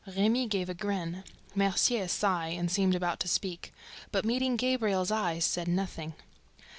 Rimy gave a grin, Mercier a sigh and seemed about to speak ... but, meeting Gabriel's eye, said nothing.